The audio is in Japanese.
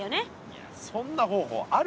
いやそんな方法あるか？